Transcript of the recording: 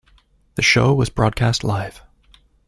The show was broadcast live.